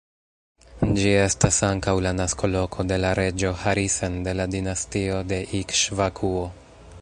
Ĝi estas ankaŭ la naskoloko de la reĝo Harisen de la dinastio de Ikŝvakuo.